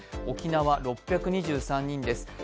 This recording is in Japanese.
沖縄６２３人です。